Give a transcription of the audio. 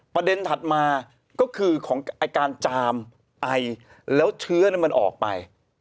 ประเด็นถัดมาก็คือของการจามไอแล้วเชื้อนั้นมันออกไป